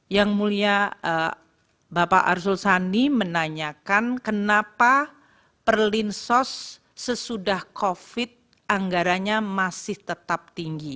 yang mulia bapak arsul sandi menanyakan kenapa perlinsos sesudah covid anggarannya masih tetap tinggi